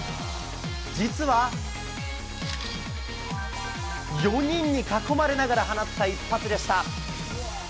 実は、４人に囲まれながら放った一発でした。